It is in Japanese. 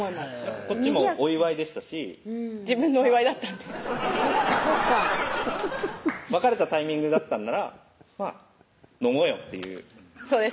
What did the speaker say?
こっちもお祝いでしたし自分のお祝いだったんで「別れたタイミングだったんならまぁ飲もうよ」っていうそうです